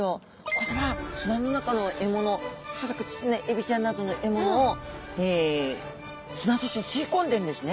これは砂の中の獲物恐らくちっちゃなエビちゃんなどの獲物を砂と一緒に吸い込んでんですね。